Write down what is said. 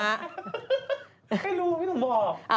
ไม่รู้ไม่ต้องบอก